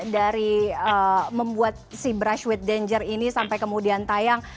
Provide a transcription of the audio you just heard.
dari membuat si brush with danger ini sampai kemudian tayang